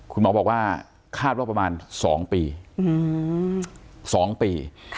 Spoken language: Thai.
คุณหมอบอกว่าคาดว่าประมาณ๒ปี๒ปี